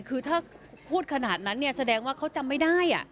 คือถ้าพูดขนาดนั้นเนี่ยแสดงว่าเขาจำไม่ได้